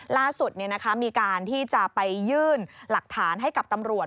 ล่าสุดมีการที่จะไปยื่นหลักฐานให้กับตำรวจ